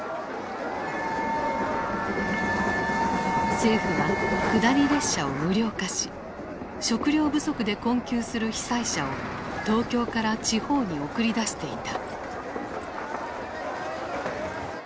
政府は下り列車を無料化し食糧不足で困窮する被災者を東京から地方に送り出していた。